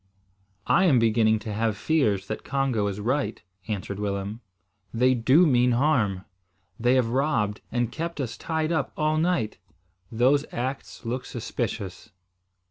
"I am beginning to have fears that Congo is right," answered Willem. "They do mean harm. They have robbed and kept us tied up all night. Those acts look suspicious."